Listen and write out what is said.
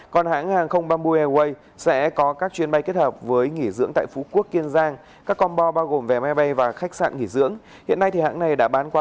còn hãng hàng không bamboo airways sẽ có các chuyến bay kết hợp với những hãng hàng không đua nhau